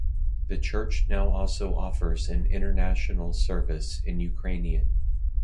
The church now also offers an "International Service" in Ukrainian.